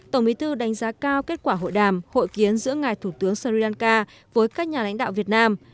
tổng bí thư đánh giá cao kết quả hội đàm hội kiến giữa ngài thủ tướng sri lanka với các nhà lãnh đạo việt nam